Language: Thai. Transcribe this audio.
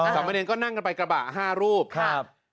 สามเนรก็นั่งนั่งไปกระบะ๕รูป